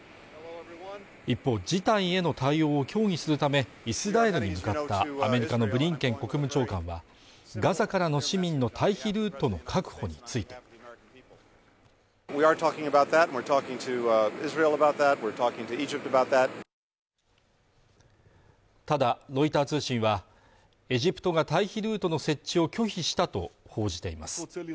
一方事態への対応を協議するためイスラエルに向かったアメリカのブリンケン国務長官はガザからの市民の退避ルートの確保についてただロイター通信はエジプトが退避ルートの設置を拒否したと報じています